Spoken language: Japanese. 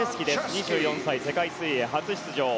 ２４歳、世界水泳初出場。